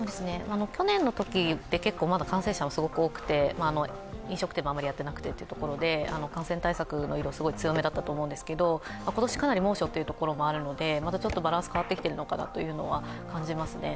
去年のときって、感染者もすごく多くて飲食店もあまりやっていなくてというところで、感染対策の色がすごい強めだったと思うんですけれども、今年かなり猛暑ということでまたちょっとバランス、変わってきてるのかなというのは感じますね。